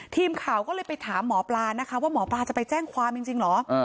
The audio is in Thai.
ทีมข่าวก็เลยไปถามหมอปลานะคะว่าหมอปลาจะไปแจ้งความจริงเหรอ